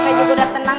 saya juga udah tenang